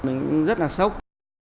mình rất là sốc